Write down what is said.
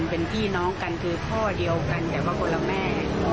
เป็นพี่น้องกันคือพ่อเดียวกันแต่ว่าคนละแม่